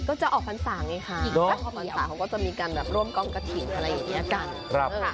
ก็จะออกพรรษาไงค่ะออกพรรษาเขาก็จะมีการแบบร่วมกล้องกระถิ่นอะไรอย่างนี้กัน